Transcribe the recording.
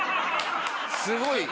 すごい。